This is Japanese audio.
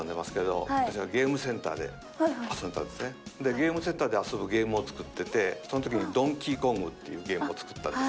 ゲームセンターで遊ぶゲームを作っててそのときに『ドンキーコング』っていうゲームを作ったんですよ。